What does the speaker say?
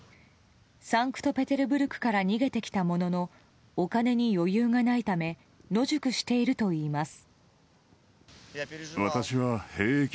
サンクトペテルブルクから逃げてきたもののお金に余裕がないため野宿しているといいます。